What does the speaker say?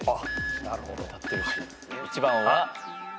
１番は。